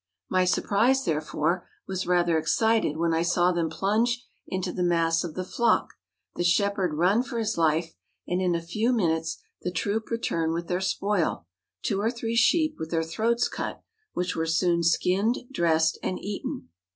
My surprise, therefore, was rather excited when I saw them plunge into the mass of the flock, the shepherd run for his life, and in a few minutes the troop return with their spoil,—two or three sheep with their throats cut, which were soon skinned, dressed, and eaten.